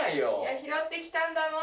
拾ってきたんだもーん！